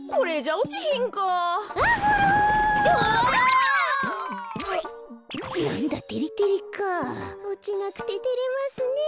おちなくててれますねえ。